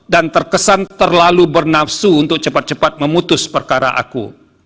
dan terkesan terlalu bernafsu untuk cepat cepat memutus perkara aku